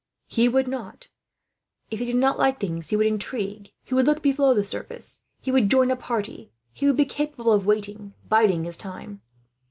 He would not. If he did not like things he would intrigue, he would look below the surface, he would join a party, he would be capable of waiting, biding his time.